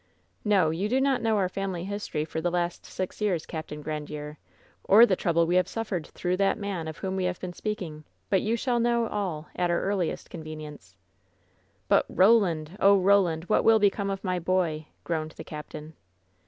"No, you do not know our family history for the last six years, Capt. Grandiere, or the trouble we have suf fered through that man of whom we have been speak ing; but you shall know all at our earliest convenience/* WHEN SHADOWS DIE 88 "But Eolandl Oh, Roland! What will become of my boy?'' groaned the captain.